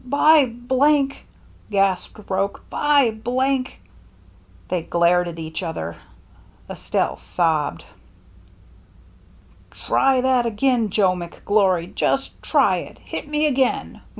" By !" gasped Roche. " By !" They glared at each other ; Estelle sobbed. " Try that again, Joe McGlory ! Just try it ! Hit me again!